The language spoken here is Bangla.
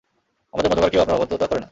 আমাদের মধ্যকার কেউ আপনার অবাধ্যতা করে না।